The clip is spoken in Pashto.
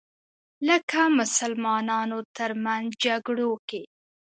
لکه مسلمانانو تر منځ جګړو کې